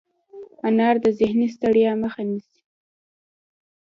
انار د ذهني ستړیا مخه نیسي.